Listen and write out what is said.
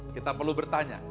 kita perlu bertanya